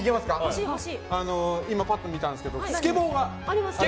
今パッと見たんですけどスケボーが。